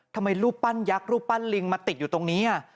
รูปปั้นยักษ์รูปปั้นลิงมาติดอยู่ตรงนี้